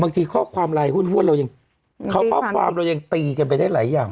ข้อความไลน์ห้วนเรายังข้อความเรายังตีกันไปได้หลายอย่าง